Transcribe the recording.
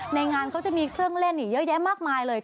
ในงานเขาจะมีเครื่องเล่นอีกเยอะแยะมากมายเลย